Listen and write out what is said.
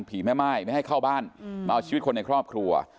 แม่ม่ายไม่ให้เข้าบ้านมาเอาชีวิตคนในครอบครัว